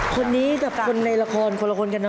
คนนี้กับคนในละครคนละคนกันเน